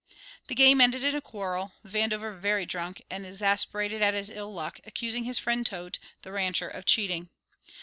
The game ended in a quarrel, Vandover, very drunk, and exasperated at his ill luck, accusing his friend Toedt, the rancher, of cheating.